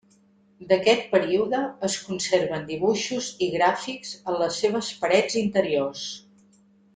D'aquest període es conserven dibuixos i gràfics en les seves parets interiors.